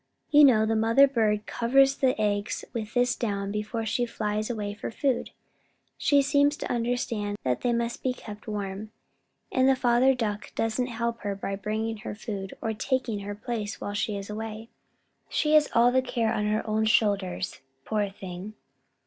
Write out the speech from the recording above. You know the mother bird covers the eggs with this down before she flies away for food. She seems to understand that they must be kept warm, and the father duck doesn't help her by bringing her food or taking her place while she is away. She has all the care on her own shoulders, poor thing.